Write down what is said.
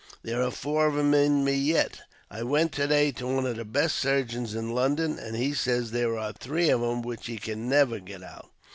There are four of 'em in me yet. I went to day to one of the best surgeons in London, and he says there are three of 'em which he can never get out."